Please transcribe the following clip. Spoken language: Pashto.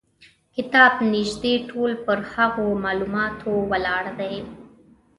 کتاب نیژدې ټول پر هغو معلوماتو ولاړ دی.